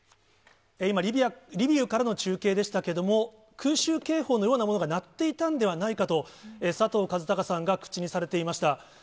今、リビウからの中継でしたけれども、空襲警報のようなものが鳴っていたんではないかと佐藤和孝さんが口にされていました。